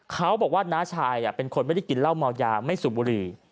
เขาบอกว่าน้าชายเป็นคนไม่ได้กินเหล้าเมายาไม่สูบบุหรี่